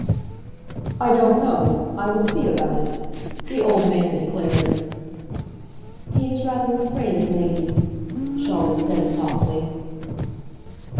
"I don't know; I will see about it," the old man declared. "He is rather afraid of ladies," Charlotte said, softly.